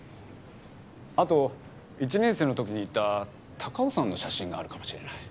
あと１年生の時に行った高尾山の写真があるかもしれない。